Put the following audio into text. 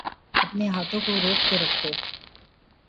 اپنے ہاتھوں کو روک کے رکھو